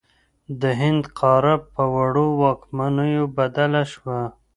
د هند قاره په وړو واکمنیو بدله شوه.